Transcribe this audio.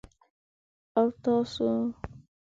_او تاسو؟